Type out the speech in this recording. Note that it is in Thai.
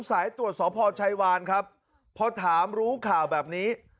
สายตรวจสพชัยวานครับพอถามรู้ข่าวแบบนี้